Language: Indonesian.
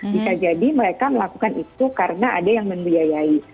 bisa jadi mereka melakukan itu karena ada yang membiayai